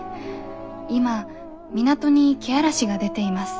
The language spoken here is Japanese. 今港にけあらしが出ています。